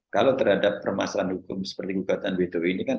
kalau terhadap permasalahan hukum seperti gugatan wto ini kan